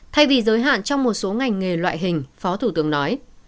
thay vì giới hạn trong một số ngành nghề loại hình phó thủ tướng nói